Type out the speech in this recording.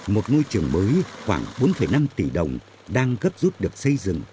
một ngôi trường mới khoảng bốn năm tỷ đồng đang gấp rút được xây dựng